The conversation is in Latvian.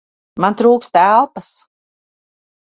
Man trūkst elpas!